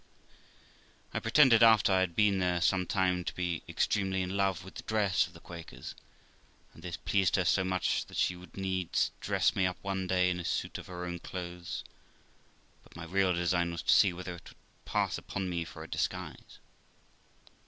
I pretended, after I had been there some time, to be extremely in love with the dress of the Quakers, and this pleased her so much that she would needs dress me up one day in a suit of her own clothes; but my real design was to see whether it would pass upon me for a disguise.